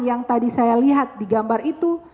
yang tadi saya lihat di gambar itu